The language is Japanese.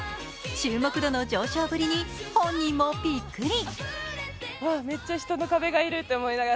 注目度の上昇ぶりに本人もびっくり。